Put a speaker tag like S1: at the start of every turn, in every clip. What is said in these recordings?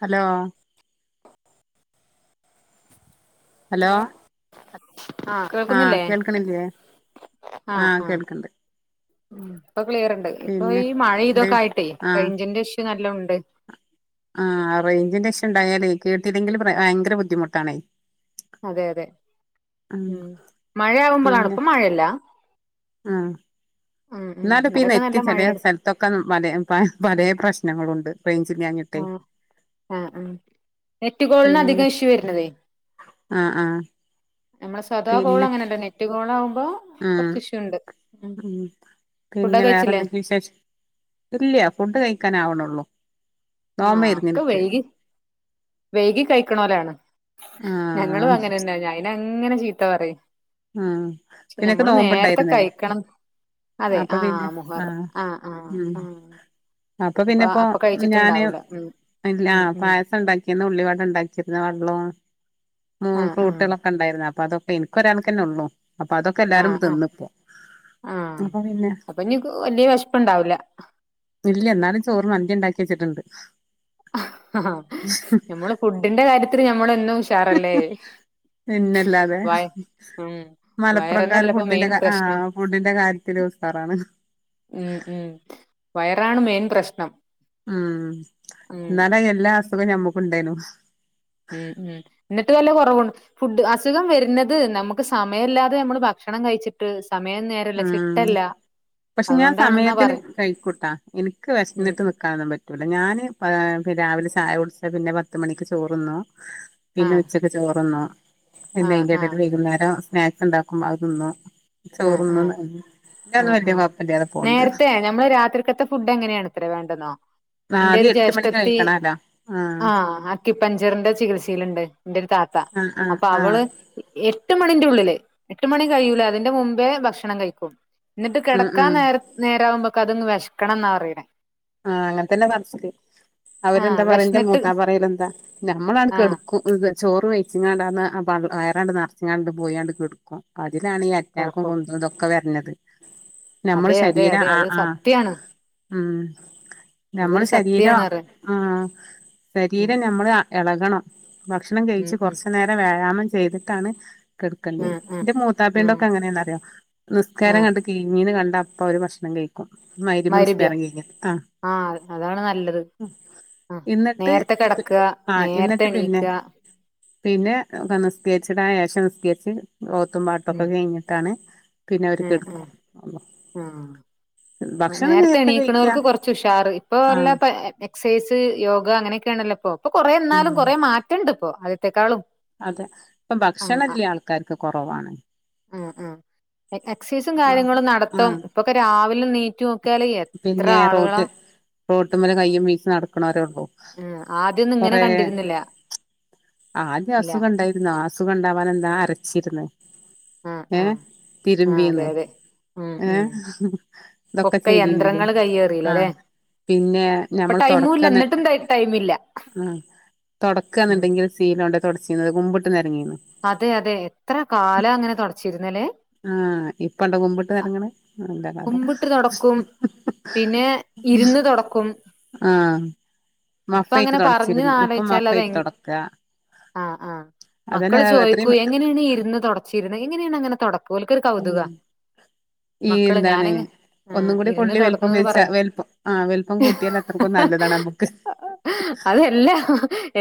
S1: Hello
S2: hello ആ
S1: ആഹ്
S2: കേൾക്കുന്നില്ലേ
S1: കേൾക്കണില്ലേ
S2: ആ
S1: ആഹ്
S2: ആ
S1: കേൾക്കണ്ട്
S2: മ് ഇപ്പൊ ക്ലിയറ്ണ്ട് ഇപ്പൊ
S1: പിന്നെ
S2: ഈ മഴ
S1: എന്ത്
S2: ഇതൊക്കെ ആയിട്ടേ റെയിഞ്ചിന്റെ ഇഷ്യു നല്ലോ ഉണ്ട്
S1: ആ റേഞ്ചിന്റെ ഇഷ്യു ഉണ്ടായാലേ കേട്ടില്ലെങ്കിൽ പ്ര ഭയങ്കര ബുദ്ധിമുട്ടാണേ
S2: അതെ അതെ ഉം മഴയാവുമ്പോളാണ്
S1: പിന്നെ
S2: ഇപ്പൊ മഴല്ല
S1: ആഹ് എന്നാലും ഇപ്പ ഈ നെറ്റ് ചെലെ സ്ഥലത്തൊക്കെ വലെ പ പലെ പ്രശ്നങ്ങളുണ്ട് റെയ്ഞ്ചില്ലാഞ്ഞിട്ടെ
S2: ആ ആ നെറ്റ് കോളിന് അധികം ഇഷ്യു വരണതേ
S1: ആഹ് ആഹ്
S2: നമ്മളെ സദാ കോൾ
S1: പിന്നെ
S2: അങ്ങനെയല്ല നെറ്റ് കോൾ ആകുമ്പോ കൊറച്ച് ഇഷ്യു ഉണ്ട് ഉം
S1: മ്
S2: ഫുഡൊക്കെ
S1: പിന്നെ വേറെ
S2: കഴിച്ചില്ലേ
S1: എന്തെങ്കിലും വിശേഷ് ഇല്ല ഫുഡ് കഴിക്കാൻ ആവണുള്ളൂ
S2: ആഹ് ഒക്കെ വൈകി വൈകി കഴിക്കണവരാണ് ഞങ്ങളും
S1: ആഹ്
S2: അങ്ങനെ തന്നാ ഞ അങ്ങനെ ചീത്ത പറയും
S1: ആഹ് പിന്നെക്ക്
S2: ഞമ്മള് നേരത്തെ
S1: നോമ്പുണ്ടായിരുന്നേ
S2: കഴിക്കണം അതെ
S1: അപ്പൊ പിന്നെ
S2: ആന് മുഹർ ആഹ് ആഹ്
S1: ഉം
S2: ആഹ
S1: അപ്പൊ പിന്നെപ്പോ ഞാന് ഇല്ല
S2: ഉം
S1: ആ
S2: ഉം
S1: പായസം ഉണ്ടാക്കിന്ന് ഉള്ളിവട ഉണ്ടാക്കിരുന്നു വെള്ളവും മൂ
S2: ആഹ് ആഹ്
S1: ഫ്രൂട്ടുകളൊക്കെ ഉണ്ടായിരുന്നു അപ്പൊ അതൊക്കെ എനിക്ക് ഒരാൾക്ക് തന്നെ ഉള്ളൂ അപ്പൊ അതൊക്കെ എല്ലാരും
S2: ആഹ് ആഹ്
S1: തിന്നിപ്പോ
S2: ആഹ്
S1: അപ്പൊ പിന്നെ
S2: അപ്പൊ ഇനി വല്യ വെശപ്പുണ്ടാവൂല
S1: ഇല്യ എന്നാലും ചോറ് മന്തി ഉണ്ടാക്കി വെച്ചിട്ടുണ്ട്
S2: ആ ഹാഹാ ഞമ്മള് ഫുഡിന്റെ കാര്യത്തിൽ ഞമ്മളൊന്നും ഉഷാറല്ലേ
S1: പിന്നെല്ലാതെ
S2: വയ ഉം
S1: മലപ്പുറംക്കാർ
S2: വയറന്നല്ല ഇപ്പൊ
S1: ഫുഡിന്റെ
S2: മെയിൻ പ്രശ്നം
S1: ആഹ് ഫുഡിന്റെ കാര്യത്തിൽ ഉഷാറാണ്
S2: ഉം ഉം വയറാണ് മെയിൻ പ്രശ്നം
S1: ഉം
S2: ഉം
S1: എന്നാലെ എല്ലാ അസുഖവും ഞമ്മക്കു ഉണ്ടേനു
S2: ഉം ഉം എന്നിട്ട് വല്ല കുറവുണ്ട് ഫുഡ് അസുഖം വരുന്നത് നമുക്ക് സമയമില്ലാതെ നമ്മള് ഭക്ഷണം കഴിച്ചിട്ട് സമയം നേരെല്ല
S1: ഉം
S2: ചിട്ടയില്ല
S1: പക്ഷെ ഞാൻ സമയത്തിന് കഴിക്കൂട്ടാ എനിക്ക്
S2: ഉം
S1: വിഷന്നിട്ട് നിക്കാൻ ഒന്നും പറ്റില്ല പറ്റൂല്ല ഞാൻ രാവിലെ ചായ കുടച്ചാൽ പിന്നെ പത്ത് മണിക്ക് ചോറുന്നു പിന്നെ
S2: ആഹ്
S1: ഉച്ചക്ക് ചോറന്ന പിന്നെ
S2: ആഹ്
S1: അതിന്റെ ഇട
S2: ആഹ്
S1: വൈകുന്നേരം സ്നാക്സ് ണ്ടാക്കുമ്പോ അത് തിന്നുംനും
S2: ആഹ്
S1: ഒന്ന
S2: ആഹ്
S1: ഞാൻ
S2: ആഹ്
S1: വലിയ
S2: ആഹ്
S1: പപ്പന്റെ അതെ പോണ്ട്
S2: നേരത്തെ ഞമ്മള് രാത്രിക്കത്തെ ഫുഡ് എങ്ങനെയാണത്രേ വേണ്ടെന്നോ ഇന്റെ ഒരു
S1: ആദ്യം എട്ട് മണിക്ക്
S2: ജ്യേഷ്ഠത്തി
S1: കഴിക്കണല്ലോ
S2: ആഹ് അക്കിപ്പഞ്ചറിന്റെ ചികിത്സയിൽ ഉണ്ട് എന്റെ താത്ത
S1: ആഹ് ആഹ്
S2: അപ്പൊ
S1: ആഹ്
S2: അവള് എട്ട് മണിന്റെ ഉള്ളില് എട്ട് മണി കഴിയൂല മുമ്പേ ഭക്ഷണം കഴിക്കും എന്നിട്ട്
S1: ഉം
S2: കിടക്കാ
S1: ഉം
S2: നേുമ്പൊക്കെ ആകുമ്പോൾ ക്കണം എന്നാ അറിയണേ
S1: ആഹ് അങ്ങനെ തന്നെ കാണിച്ചിക്ക്
S2: ആഹ്
S1: അവരെന്താ പറയ എന്റെ
S2: വിശന്നിട്ട്
S1: മൂത്താ പറയല് എന്താ നമ്മളാണ്
S2: ആഹ്
S1: കെടക്കും ഇത് ചോറ് വഴച്ചിങ്ങാണ്ടാന്ന് വയറാണ്ട് നിറച്ചിങ്ങാണ്ട് പോയിണ്ട് കിടുക്കും ഇതിലാണ് ഈ അറ്റാക്കും
S2: കിടക്കും
S1: കൊണ്ടും ഇതൊക്കെ വരഞ്ഞത് നമ്മൾ
S2: അതെ അതെ
S1: ശരീരം
S2: അതെ
S1: ആ
S2: അത്
S1: ആ
S2: സത്യാണ്
S1: ഉം നമ്മൾ
S2: അതൊരു
S1: ശരീരം
S2: സത്യാണ് പറയ
S1: ആ
S2: ഉം
S1: ശരീരം നമ്മൾ ഇളകണം ഭക്ഷണം
S2: ഉം
S1: കഴിച്ച്
S2: ഉം
S1: കൊറച്ചു നേരം വ്യായാമം ചെയ്തിട്ടാണ് കെടുക്കണ്ടിന്ന്
S2: ആഹ് ആഹ്
S1: എന്റെ മൂത്താപ്പേൻന്റെ
S2: ആഹ്
S1: ഒക്കെ അങ്ങനെയാന്നറിയോ നിസ്കാരം
S2: ആഹ്
S1: കണ്ടണ്ട് കീന്ന് കണ്ട അപ്പൊ അവര് ഭക്ഷണം കഴിക്കും മ ഗിരിബ് നിസ്കാരം കഴിഞ്ഞിട്ട്
S2: ആ അതാണ് നല്ലത് ആ
S1: എന്നിട്ട്
S2: നേരത്തെ കിടക്കുക
S1: ആ
S2: നേരത്തെ
S1: എന്നിട്ട് പിന്നെ
S2: എണീക്കുക
S1: പിന്നെ സ്കെച്ച് സ്കെച്ച് ഓത്തും പാട്ടു ക്കെ
S2: ഉം
S1: കഴിഞ്ഞിട്ടാണ് പിന്നെ അവര് കെടുക്കും
S2: ഉം ഉ
S1: ഭക്ഷണം
S2: നേരത്തെ
S1: കഴിക്ക
S2: എണീക്കുന്നവർക്ക് കൊറച്ച് തുഷാർ ഇപ്പ എല്ല
S1: ആഹ്
S2: എക്സസൈസ് യോഗ അങ്ങനെയൊക്കെയാണല്ലോപ്പോൊ ഇപ്പൊ കൊറേ എന്നാലും
S1: ഉം
S2: കുറേ മാറ്റുണ്ട് ഇപ്പൊ ആദ്യത്തെേക്കാളും
S1: അതെ ഇപ്പൊ
S2: ആഹ്
S1: ഭക്ഷണല്ലേ ആൾക്കാർക്ക് കുറവാണ്
S2: ആഹ് ആഹ് ആഹ് എക്സസൈസും
S1: ആഹ്
S2: കാര്യങ്ങളും നടത്തും
S1: ആഹ്
S2: ഇപ്പൊക്കെ രാവിലും നീ
S1: പിന്നെ റോട്ട് റോട്ട് മേല് കയ്യും വീശി നടക്കുന്നവരേ ഉള്ളൂ
S2: ആഹ് ആദ്യൊന്നും
S1: കൊറ
S2: ഇങ്ങനെ കണ്ടിരുന്നില്ല
S1: ആദ്യം
S2: ഇല്ല
S1: അസുഖം ഉണ്ടായിരുന്നു ആ സുഖണ്ട അവന് എന്താ അരച്ചിരുന്ന
S2: ആഹ്
S1: ഏഹ്
S2: ആഹ് ആഹ് അതെ
S1: തിരുമ്പീന്ന്
S2: അതെ ഉം ഉം
S1: ഏഹ് ഇതൊക്ക
S2: ഒക്കെ
S1: ചെയ്തിനല്ലേ
S2: യന്ത്രങ്ങൾ
S1: ആഹ
S2: കയ്യേറിയില്ലല്ലെ
S1: പിന്നെ
S2: ഇപ്പൊ
S1: ഞമ്മൾ
S2: ടൈമും
S1: തുടക്ക
S2: ഇല്ല
S1: ന്ന
S2: എന്നിട്ടും ടൈമില്ല
S1: ആ
S2: ഉം
S1: തുടക്കാന്നുണ്ടെങ്കിൽ ശീലം കൊണ്ട് തുട
S2: അതെ അതെ എത്ര കാലം അങ്ങനെ തുടച്ചിരുന്നല്ലേ
S1: ആ ഇപ്പണ്ട കുമ്പിട്ട് നരങ്ങണെ നല്ല കഥ
S2: ക്കും പിന്നെ ഇരുന്ന് തോടക്കും
S1: ആ
S2: ഇപ്പ അങ്ങനെ പറഞ്ഞു ആലോചിച്ചാൽ അത്ഹെ ങ്ങ
S1: തൊടക്ക
S2: അ അ
S1: അതന്നെ
S2: മക്കള് ചോദിക്കൂ
S1: എത്രയും
S2: എങ്ങനെയാണ് ഇരുന്ന് തുടച്ചി ഇരുന്ന് എങ്ങനെയാണ് അങ്ങനെ തുടക്കൂഓല് ക്കൊരു കൗതുക
S1: ഉം ഈ
S2: മക്കള്
S1: എന്താണ്
S2: ഞാനങ്ങ് ആ
S1: ഒന്നും കൂടി
S2: ഇരുന്ന്
S1: കൊള്ളി വെല്പ്പം
S2: തുടർന്നുന്ന് പറയും
S1: വെൽപ്പം ആ വലല്പ്പം കൂട്ടിയാൽ അത്രക്കൊ നല്ലതാണ് നമുക്ക്
S2: അതെല്ലാ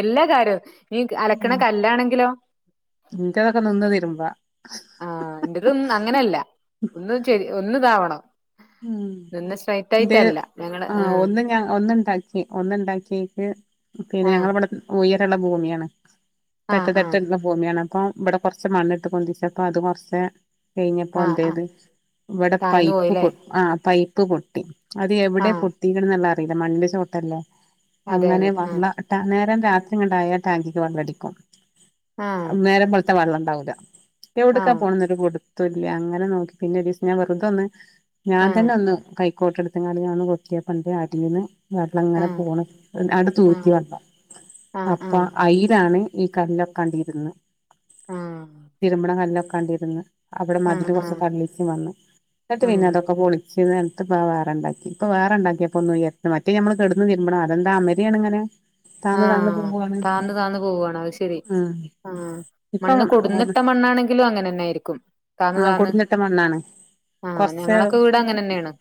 S2: എല്ലാ കാര്വും ഈ അലക്കണ കല്ലാണെങ്കിലോ
S1: ഇന്റാദൊക്കെ നിന്ന് തിരുമ്പ
S2: ആ എന്റതും അങ്ങനെയല്ല ഒന്ന് ശരി ഒന്ന് ഇതാവണം
S1: ഉം
S2: നിന്ന് സ്ട്രൈറ്റ്
S1: എന്റെ
S2: ആയിട്ടല്ല ഞങ്ങള്
S1: ആ ഒന്ന് ഞാൻ ഒന്നുണ്ട ക്കി ഒന്നുണ്ടാക്കിയക്ക് പിന്നെ
S2: ആ
S1: ഞങ്ങള ഇവിടെ ഉയരുള്ള ഭൂമിയാണ്
S2: ആ
S1: തട്ട്
S2: ആ
S1: തട്ട് ള്ള ഭൂമിയാണ് അപ്പൊ ഇവിടെ കുറച്ച് മണ്ണിട്ട് പൊന്ദിച്ചപ്പോ അത് കുറച്ച കഴിഞ്ഞപ്പോ
S2: ആ ആ
S1: എന്തേത് ഇവിടെ
S2: താഴ്ന്നു പോയില്ലേ
S1: പൈപ്പ് ആ പൈപ്പ് പൊട്ടി അത് എവിടെ
S2: ആഹ്
S1: പൊട്ടികന്ന്ള്ള അറിയില്ല മണ്ണിന്റെ ചോട്ടല്ലേ
S2: അതെ
S1: അങ്ങനെ
S2: അതെ ആഹ്
S1: വള്ള ഡാ നേരം രാത്രി കണ്ടായാൽ ടാങ്കിക്ക് വെള്ളംടിക്കും
S2: ആഹ്
S1: നേരംവെളുത്ത വെള്ളം ഉണ്ടാവൂല്ല എവിടക്കാ
S2: ആഹ്
S1: പോണന്നരുപുടുത്തല്ല അങ്ങനെ നോക്കി പിന്നെ ഒരു ദിവസം ഞാൻ വെറുതൊന്നന്ന് ഞാൻ
S2: ആഹ്
S1: തന്നെ ഒന്ന് കൈക്കോട്ട് എടുത്തകണ്ട് ഞന്ന് കൊത്തിയപ്പണ്ട് ആട്ടീന്ന് വെള്ളം ഇങ്ങനെ പോണ് അട്ട് തൂറ്റി
S2: ആഹ്
S1: വെള്ള
S2: ആഹ്
S1: അപ്പ
S2: ആഹ്
S1: അയിയിലാണ് ഈ കല്ലൊക്കെ ണ്ട് ഇരുന്ന്
S2: ആഹ് ആഹ്
S1: തിരുമ്മണ കല്ലൊക്കെ ണ്ട് ഇരുന്ന് അവിടെ
S2: ആഹ്
S1: മതില് കുറച്ച്
S2: ആഹ്
S1: തള്ളിച്ച വന്നു എന്നിട്ട്
S2: ഉം
S1: പിന്നെ അതൊക്കെ ചിന സ്‌ലത് വേറെണ്ടാക്കി ഇപ്പൊ വേറെണ്ടാക്കി അപ്പൊ ഒന്ന് ഉയർത്ത് മറ്റേഞമ്മള് കിടന്ന് തിരുമ്പണം അതെന്താ അമരെൻ ഇങ്ങനെ
S2: ആ
S1: താന്ന് താന്ന് പോവാണ്
S2: താന്ന് താന്ന് പോവാണോ അത് ശെരി
S1: ഉം
S2: ആ
S1: ഇപ്പം
S2: മണ്ണ് കൊടുന്നിട്ട മണ്ണാണെങ്കിലും അങ്ങനെ തന്നൊയിരിക്കും
S1: അ കോട്ന്നിട്ട മണ്ണാണ് കുറച്ച്
S2: ട അങ്ങനെ തന്നെയാണ്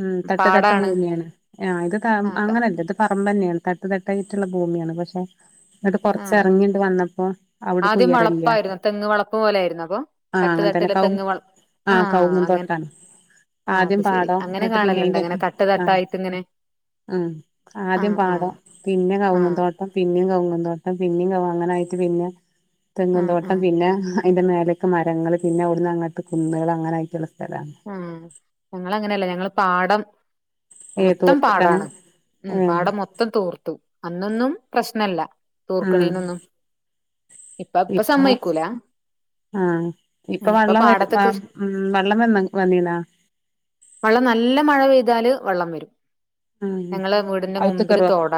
S1: ഉം തട്ട് തട്ട് ഭൂമിയാണ് ഹെ ഇത്
S2: ആഹ്
S1: അങ്ങനെയല്ല ഇത് പറ തന്നെയാണ് തട്ട് തട്ടായിട്ടുള്ള ഭൂമിയാണ് പക്ഷെ എന്നിട്ട് കൊറച്ച്
S2: ആഹ്
S1: ഇറങ്ങിണ്ട് വന്നപ്പോ അവിട് ക്
S2: ആദ്യം
S1: ഉയരല്ല
S2: വളപ്പായിരുന്നു തെങ്ങ് വളപ്പ് പോലെയായിരുന്നു അപ്പൊ
S1: അ അങ്ങനത്തെ
S2: [unintelligible]
S1: അ കൗങ്
S2: അങ്ങനെ
S1: തൊട്ടാണ്
S2: ആഹ്
S1: ആദ്യം
S2: അത് ശെരി
S1: പാടോ
S2: അങ്ങനെ
S1: ന്നിട്ട് പിന്നെ
S2: കാണലുണ്ട്
S1: അതിന്റെ
S2: അങ്ങനെ തട്ട്
S1: ഹ് അ
S2: തട്ടായിട്ട് ഇങ്ങനെ
S1: അ ആദ്യം
S2: ആഹ് ആഹ്
S1: പാടം പിന്നെ കൗങ്
S2: ആഹ്
S1: തോട്ടം പിന്നെ പിന്നിം കൗങ് തോട്ടം പിന്ന അങ്ങനായിട്ട് പിന്നെ തെങ്ങൻ
S2: ആഹ്
S1: തോട്ടം
S2: ആഹ്
S1: പിന്നെ അതിൻന്റെ മേലൊക്കെ മരങ്ങള് പിന്നെവിടുന്ന് അങ്ങട്ട് കുന്നുകൾ അങ്ങനെ ആയിട്ടുള്ള
S2: ഉ ഞങ്ങ അങ്ങനെയല്ലേ ഞങ്ങ പാടം
S1: ഏ
S2: മൊത്തം
S1: തൂർത്തിട്ടാണ്
S2: പാടാണ് ഉം പാടം മൊത്തം തൂർത്തു അന്നൊന്നും പ്രശ്നല്ല
S1: ഉം
S2: തൂർക്കണേന്നൊന്നും ഇപ്പ ഇപ്പ സമ്മയിക്കൂല
S1: ആ ഇപ്പൊ വെള്ളം വരും വെള്ളം വന്ന് വന്നീനാ
S2: വള്ളം നല്ല മഴ പെയ്താല് വള്ളം വരും
S1: ഉം
S2: ഞങ്ങളെ വീടിന്റെ മുമ്പില്
S1: ഔത്ത്ക്കറോ
S2: തോട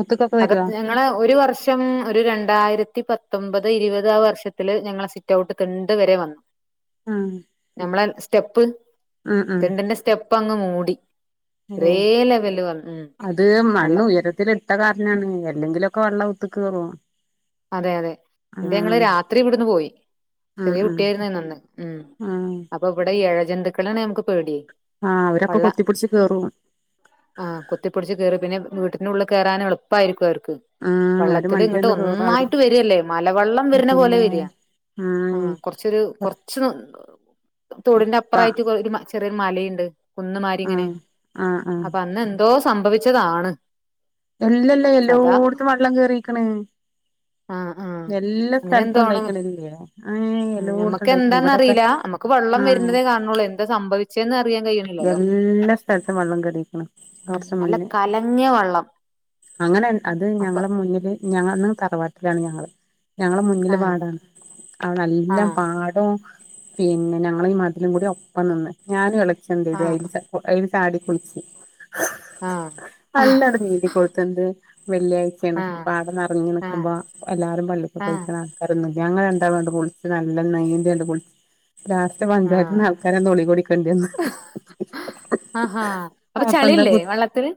S1: ഔത്ത്ക്കൊക്കെ
S2: അക
S1: വരുവോ
S2: ഞങ്ങള് ഒരു വർഷം ഒരു രണ്ടായിരത്തി പത്തൊമ്പത് ത് ഇരുപത് അ വർഷത്തില് ഞങ്ങള് സിറ്റ്ഔട്ട് തിണ്ട് വരെ വന്നു
S1: ആ
S2: നമ്മളെ സ്റ്റെപ്പ്
S1: ഉം
S2: തിണ്ടിന്റെ സ്റ്റെപ്പ് അങ്ങ് മൂടി
S1: ഓ
S2: ഒരേ ലെവല് വന്ന് ഉം
S1: അത് മണ്ണ്
S2: വെള്ളം
S1: ഉയരത്തിൽ ഇട്ട കാരണം ലാണ് അല്ലങ്കിലുക്കെ വെള്ളം ഔത്ത്ക്ക് ക്കേറും
S2: അതെ അതെ എന്നിട്ട് ഞങ്ങള് രാത്രി ഇവിടുന്ന് പോയി
S1: ഉം
S2: ചെറിയ
S1: ഉം
S2: കുട്ടിയായിരുന്ന നന്ന് ഉം അപ്പൊ ഇവിടെ ഏഴ ജന്തുക്കളാണ് നമക്ക് പേടി
S1: ആഹ് അവരൊക്കെ
S2: വള്ള
S1: കൊത്തിപ്പിടിച്ച് കേറും
S2: ആ കുത്തിപ്പൊടിച്ച് കേറി പിന്നെ വീട്ട നുള്ള് കേറാൻ എളുപ്പായിരിക്കും അവർക്ക്
S1: ഉം അവര്
S2: വെള്ളത്തിൽ ഇങ്ങോട്ട്
S1: മണ്ടിയണ്ട്
S2: ഒ
S1: കേറും അവര്
S2: നന്നായിട്ട് വരില്ലേ മലവെള്ളം വരുന്ന പോലെ
S1: പിന്നെ
S2: വരിക ആ
S1: ഉം
S2: കൊറച്ചൊരു കുറച്ച് തോടിന്റെ
S1: ഉറപ്പാ
S2: അപ്പുറമായിട്ട് ഒരു മ ചെറിയൊരു മലയുണ്ട് കുന്ന്മാരി ഇങ്ങനെ
S1: ആഹ് ആഹ് ആഹ്
S2: അപ്പൊ അന്ന് എന്തോ സംഭവിച്ചതാണ്
S1: എല്ലല്ലേ
S2: സദാ
S1: എല്ലോട്ത്തും വെള്ളം കേയറിക്കണ്
S2: ആഹ് ആ അ അങ്ങനെ എന്തോ ആണ്
S1: ഉണ്ടായിക്കണില്ലേ ഏഹ് എല്ലോടത്തും
S2: നമ്മക്ക്
S1: ഉണ്ടായിക്കണ് ഇവിടൊക്കെ
S2: എന്താന്നറില നമ്മക്ക് വെള്ളം
S1: ആഹ്
S2: വരുന്നതേ കാണുന്നുള്ളൂ എന്താ സംഭവി
S1: എല്ലാ സ്ഥലത്തും വെള്ളം കേറിക്ക്ണ്
S2: ഉം
S1: കുറച്ച്
S2: നല്ല
S1: മുന്നേ
S2: കലങ്ങിയ വെള്ളം
S1: അങ്ങനെ അത്
S2: അപ്പൊ
S1: ഞങ്ങള മുന്നില് ഞങ്ങണും തറവാ ത്തിലാണ് ഞങ്ങള് ഞങ്ങള മുന്നില്
S2: ആ
S1: പാടാണ്
S2: ആ
S1: അവളെല്ലാം പാടും പിന്നെ ഞങ്ങള് ഈ മതിലും കൂടി ഒപ്പം നിന്ന് ഞാൻ വിളച്ച എന്ത്
S2: ആ
S1: അയ്യിൽച അ ചാടി കുളിച്ച്
S2: ആഹ് ആഹ്
S1: നല്ലണ് നീന്തി കുളിച്ചെന്തേ വെള്ളിയാഴ്ചയാണ്
S2: ആഹ്
S1: പാടം നിറഞ്ഞ്
S2: ആഹ്
S1: നിക്കുമ്പോ എല്ലാരും പള്ളിക്കെ
S2: ആഹ്
S1: പോയിക്ക്ണ് ആൾക്കാരൊന്നും ഞങ്ങൾ രണ്ടാളും ആണ്ട് കുളിച്ച് നല്ല നീന്തിണ്ട് കുൾ ലാസ്റ്റ് പഞ്ചായത്തിന്ന്
S2: ആഹ്
S1: ആൾക്കാരെ [unintelligible]
S2: ആഹാ അപ്പോ ചളില്ലേ വള്ളത്തില്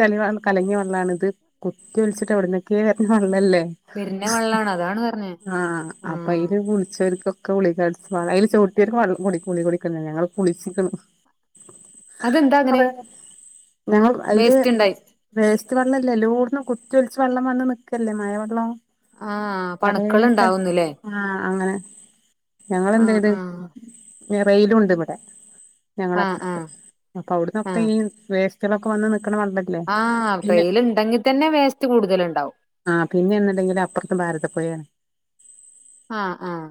S1: ചളിയാണ് കലങ്ങിയ വെള്ളാണ് ഇത് കുത്തി ഒലിച്ചിട്ട് എവിടന്നൊക്കെ വര്ണ വെള്ളല്ലേ
S2: വരുന്ന വെള്ളാണ് അതാണ് പറഞ്ഞേ
S1: ആഹ് അപ്പോ
S2: ആഹ്
S1: അയില് കുളിച്ചോർക്കോ [unintelligible] ഞങ്ങള് കുളിച്ചിക്കണ് [inaudible] ഞങ്ങള്
S2: അതെന്താ അങ്ങനെ
S1: [unintelligible]
S2: വേസ്റ്റ് ഉണ്ടായി
S1: ത്ത് വെള്ളല്ല എല്ലോട്ത്തും കുത്തിയൊലിച്ച് വെള്ളം വന്ന് നിക്കല്ലേ മഴ വെള്ളം
S2: ആഹ് അപ്പണുക്കള് ഇണ്ടാവുന്നിലേ
S1: ആഹ് അങ്ങനെ
S2: ആഹ് ആഹ്
S1: ഏഹ് റെയിലുണ്ട് ഇവിടെ
S2: ആഹ്
S1: ഞങ്ങളപ്പറത്ത്
S2: ആഹ്
S1: അപ്പോ അവിടന്നൊക്കെ
S2: ആഹ്
S1: ഈ വേ സ്റ്റ്കളൊക്കെ വന്ന് നി
S2: ആഹ് റെയില്ണ്ടെങ്കി തന്നെ വേസ്റ്റ് കൂടുതലുണ്ടാവും
S1: ആഹ് പിന്നെ എന്നുണ്ടെങ്കില് അപ്രത്ത് ഭാരത പുയേണ്
S2: ആഹ് ആഹ്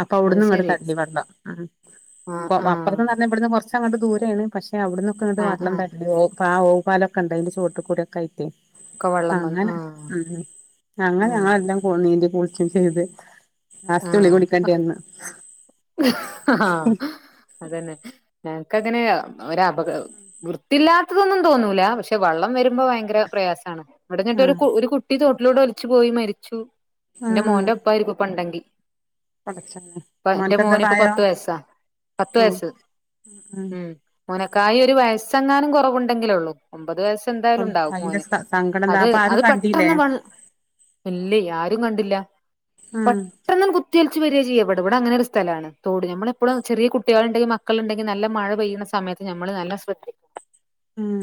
S1: അപ്പോ
S2: അത്
S1: അവിട്ന്നും ഇങ്ങട്
S2: ശരി
S1: തള്ളി വെള്ളം ഉം
S2: ആഹ് ആഹ്
S1: അപ്പറത്ത്ന്ന് അല്ല ഇവിടുന്ന് കൊറച്ചങ്ങട് ദൂരെയാണ് പഷേ അവിടന്നൊക്കെ ഇങ്ങട്
S2: ആഹ്
S1: വെള്ളം
S2: ആഹ്
S1: [unintelligible] പാ ഓവ് പാലൊക്കെണ്ട അയിൻ്റെ ചോട്ട്കൂടി ഒക്കെ ആയിട്ടേ
S2: ഒക്കെ വെള്ളം വന്ന്
S1: അങ്ങനെ
S2: ആഹ്
S1: ഉം അങ്ങനെ
S2: ആഹ്
S1: ഞങ്ങളെല്ലാം നീന്തി കുളിച്ചും ചെയ്തേ ലാസ്റ്റ് കുളി
S2: ആഹ് ആഹ്
S1: [unintelligible]
S2: അതന്നെ ഞങ്ങക്കങ്ങനെ ഒരപക വൃത്തില്ലാത്തതൊന്നും തോന്നൂല പഷേ വള്ളം വരുമ്പോ ഭയങ്കര പ്രയാസാണ് വടെ ങ്ങൻതൊരു
S1: ആഹ്
S2: കു ഒരു കുട്ടി തോട്ടിലൂടെ ഒലിച്ച് പോയി മരിച്ചു ന്റെ
S1: ആഹ്
S2: മോന്റെ ഒപ്പായിരിക്കുംപണ്ടെങ്കി
S1: പടച്ചോനെ മോൻക്കെന്താ
S2: മോന് ഇപ്പ പത്ത്
S1: പ്രായം
S2: വയസ്സാ പത്ത്
S1: ഉം
S2: വയസ്സ്
S1: ഉം
S2: മോനക്കായി ഒരു വയസ്സെങ്ങാനും കൊറവുണ്ടെങ്കിലേ ഒള്ളൂ ഒമ്പത് വയ എന്തായാലും ഉണ്ടാവും
S1: അയിന്റെ
S2: മോന്
S1: സങ്കടം എന്താ
S2: അത്
S1: അപ്പൊ ആരും
S2: അത്
S1: കണ്ടീല്ലേ
S2: പെട്ടെന്ന് വ ഇല്ല്യയ് ആരും കണ്ടില്ല
S1: ഉം
S2: പെട്ടെന്ന് കു കുത്തിയൊലിച്ച് വരാ ചെയ്യാ ഇവട ഇവടെ അങ്ങനെ ഒരു സ്ഥലമാണ് തോട് നമ്മളിപ്പോ ചെറിയ കുട്ടികളുണ്ടെങ്കി മക്കളുണ്ടെങ്കി നല്ല മഴ പെയ്ണ സ സമയത്ത് ഞമ്മള് നല്ല ശ്രദ്ധി
S1: ഉം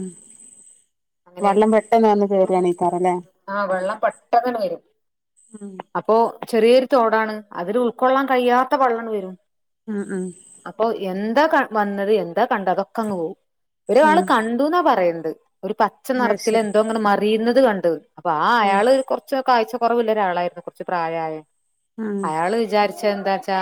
S2: അങ്ങനേണ്
S1: വെള്ളം പെട്ടെന്ന് വന്ന് കേറാണേക്കാരല്ലേ
S2: ആഹ് വെള്ളം പെട്ടന്ന്ങ്ങട്ട് വരും
S1: ഉം
S2: അപ്പൊ ചെറിയൊരു തോടാണ് അതില് ഉൾക്കൊള്ളാൻ കഴിയാത്ത വള്ളണ് വരും
S1: ഉം ഉം
S2: അപ്പൊ എന്താ ക വന്നത് എന്താ കണ്ടഅതൊക്കെ അങ്ങ് പോവും ഒരാള്
S1: ഉം
S2: കണ്ടുന്നാ പറയുന്നത് ഒരു പച്ച
S1: അത്
S2: നെറത്തില്
S1: ശരി
S2: എന്തോ ങ്ങട് മറിയുന്നത് കണ്ട് അപ്പൊ ആ
S1: ഉം
S2: അയാള് കൊർച്ച് കാഴ്ച കൊ കൊറവില്ല ഒരാളായിരുന്നു കൊർച്ച് പ്രായായ
S1: ഉം
S2: അയാള് വിചാരിച്ച എന്താ വച്ചാ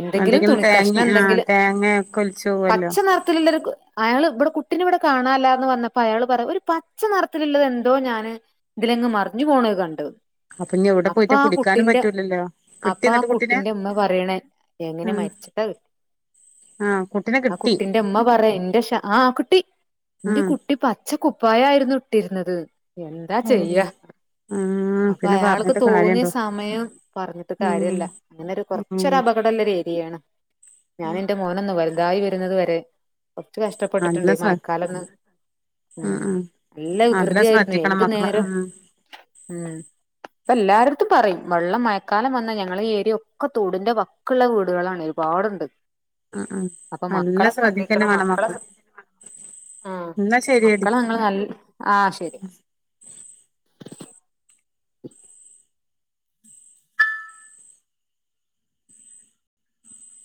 S2: എന്തെങ്കിലും
S1: തേങ്ങ
S2: തുണികഷ്ണം
S1: ആ
S2: എന്തെങ്കിലും
S1: തേങ്ങ ഒക്കെ ഒലിച്ചു പോവല്ലോ
S2: പച്ച നിറത്തിലുള്ളൊരു അയാൾ ഇവിടെ കു കുട്ടിനെവിടെ കാണാൻല്ലാന്ന് വന്നപ്പോ അയാള് പറയാ ഒരു പച്ച നിറത്തിലുള്ളത് എന്തോ ഞാന് ഇതിലങ്ങ് മറിഞ്ഞു പോണ ത് കണ്ടു
S1: അപ്പൊഞ്ഞി എവിടെ പോയിട്ടാ പിടിക്കാനും പറ്റൂലല്ലോ കിട്ടി
S2: അപ്പാ
S1: എന്നിട്ട് കുട്ടിനെ
S2: കുട്ടിന്റെ ഇമ്മ പറയണേ
S1: ആ
S2: എങ്ങനെ മരിച്ചിട്ടാ കി
S1: ആ കുട്ടിനെ
S2: ആ
S1: കിട്ടി
S2: കുട്ടിന്റെ ഇമ്മ പറയാ ഇന്റെ ഷാ ആഹ് കുട്ടി
S1: ആ
S2: ഇന്റെ കുട്ടി പച്ച കു പ്പായായിരുന്നു ഇട്ടിര്ന്നത് എന്താ
S1: ഓ
S2: ചെയ്യാ
S1: ആ
S2: അപ്പൊ
S1: പിന്നെ
S2: അയാൾക്ക്
S1: പറഞ്ഞിട്ട്
S2: തോന്നിയ
S1: കാര്യണ്ടോ
S2: സമയം പർഞ്ഞിട്ട്
S1: ഉം
S2: കാര്യല്ല അങ്ങനൊരു
S1: ഉം
S2: കൊർച്ചൊരപകടള്ളൊരു ഏരിയേണ് ഞാന് ന്റെ മോനൊന്ന് വലുതായി വരുന്നത് വരെ കൊർച്ച് കഷ്ടപ്പെട്ടിട്ടുണ്ട്
S1: നല്ല
S2: ഈ
S1: ശ്ര
S2: മയക്കാലൊന്ന് ഉം നല്ല വികൃതിയായിരുന്നെ
S1: ശ്രദ്ധിക്കണം
S2: ഏത്
S1: മക്കളെ
S2: നേരം
S1: ഉം
S2: ഉം ഇപ്പെല്ലാരെട്ത്തും പറയും വെള്ളം മഴ ക്കാലം വന്നാ ഞങ്ങള ഈ ഏരിയ ഒക്കെ തോടിന്റെ വക്ക്ള്ള വീടുകളാണ് ഒരുപാട്ണ്ട്.
S1: ഉം ഉം
S2: അപ്പൊ
S1: നല്ല
S2: മക്കളെ
S1: ശ്രദ്ധിക്കന്നെ
S2: സ്രദ്ധിക്കണം
S1: വേണം
S2: മക്കളെ സ്ര ആഹ്
S1: എന്നാ ശരിയടി
S2: മക്കളെ അങ്ങള് നൽ ആഹ് ശരി.